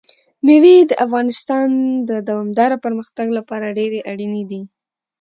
مېوې د افغانستان د دوامداره پرمختګ لپاره ډېر اړین دي.